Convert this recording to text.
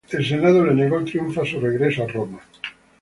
El Senado le negó el triunfo a su regreso a Roma.